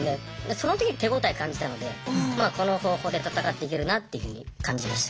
その時に手応え感じたのでまあこの方法で戦っていけるなっていうふうに感じました。